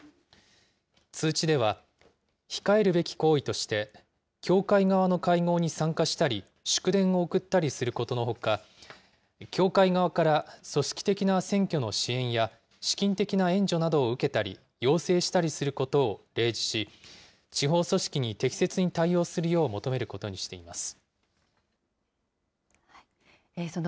通知では、控えるべき行為として、教会側の会合に参加したり、祝電を送ったりすることのほか、教会側から組織的な選挙の支援や資金的な援助などを受けたり要請したりすることを例示し、地方組織に適切に対応するよう求めることにしています。